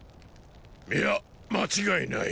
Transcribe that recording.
いや間違いない。